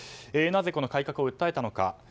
なぜこの改革を訴えたのか。